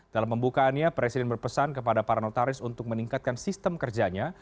dalam pembukaannya presiden berpesan kepada para notaris untuk meningkatkan sistem kerjanya